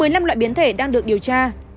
một mươi năm loại biến thể đang được điều tra